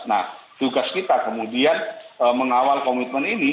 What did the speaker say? nah tugas kita kemudian mengawal komitmen ini